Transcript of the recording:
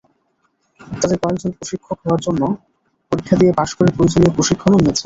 তাঁদের কয়েকজন প্রশিক্ষক হওয়ার জন্য পরীক্ষা দিয়ে পাস করে প্রয়োজনীয় প্রশিক্ষণও নিয়েছেন।